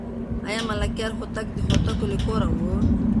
آیا ملکیار هوتک د هوتکو له کوره و؟